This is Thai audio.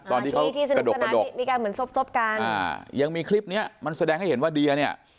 ตอนที่เขากระดกยังมีคลิปเนี่ยมันแสดงให้เห็นว่าเดียเนี่ย